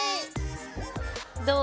どう？